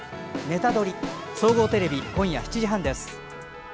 「ネタドリ！」総合テレビ今夜７時半です。